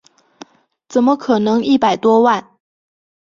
怎么可能一百多万